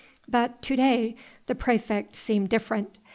But to day the praefect seemed different.